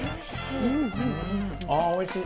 あー、おいしい。